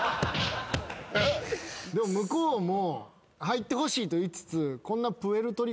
でも向こうも入ってほしいと言いつつこんな。